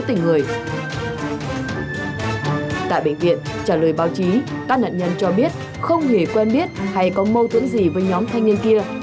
trả lời báo chí các nạn nhân cho biết không hề quen biết hay có mâu tưởng gì với nhóm thanh niên kia